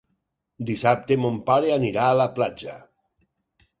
Dissabte mon pare anirà a la platja.